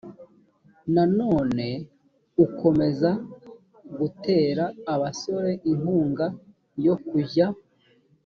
nanone ukomeze gutera abasore inkunga yo kujya